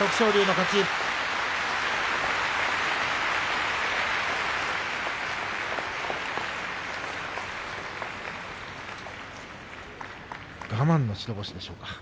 拍手我慢の白星でしょうか。